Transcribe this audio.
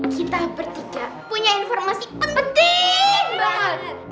kita bertiga punya informasi penting banget